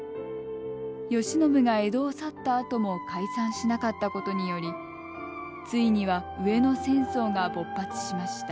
慶喜が江戸を去ったあとも解散しなかったことによりついには上野戦争が勃発しました。